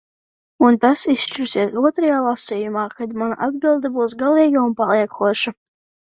Un tas izšķirsies otrajā lasījumā, kad mana atbilde būs galīga un paliekoša.